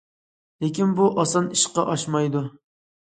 لېكىن، بۇ ئاسان ئىشقا ئاشمايدۇ.